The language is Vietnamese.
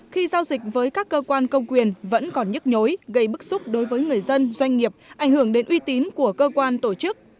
khi giao dịch với các cơ quan công quyền vẫn còn nhức nhối gây bức xúc đối với người dân doanh nghiệp ảnh hưởng đến uy tín của cơ quan tổ chức